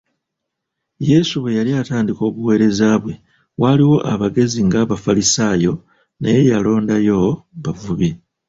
Yesu bwe yali atandika obuweereza bwe, waaliwo abagezi ng’abafalisaayo naye yalondayo bavubi.